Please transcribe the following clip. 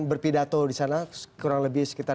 berpidato di sana kurang lebih sekitar